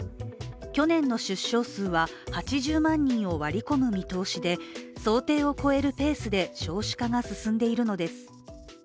去年の出生数は８０万人を割り込む見通しで想定を超えるペースで少子化が進んでいるのです。